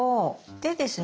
でですね